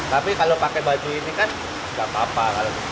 tapi kalau pakai baju ini kan nggak apa apa